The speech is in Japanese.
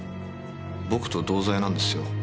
僕と同罪なんですよ。